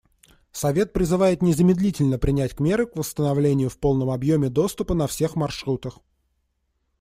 Совет призывает незамедлительно принять меры к восстановлению в полном объеме доступа на всех маршрутах.